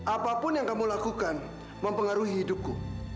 apapun yang kamu lakukan mempengaruhi hidupku